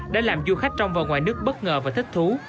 đã làm du khách trong và ngoài nước bất ngờ và thích thú